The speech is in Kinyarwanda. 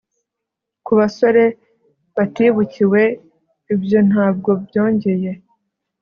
Kubasore batibukiwe ibyo ntabwo byongeye